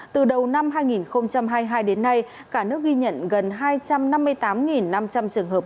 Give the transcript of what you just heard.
từ đầu năm hai nghìn hai mươi hai đến nay cả nước ghi nhận gần hai trăm năm mươi tám năm trăm linh trường hợp